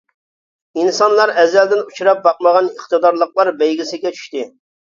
ئىنسانلار ئەزەلدىن ئۇچراپ باقمىغان ئىقتىدارلىقلار بەيگىسىگە چۈشتى.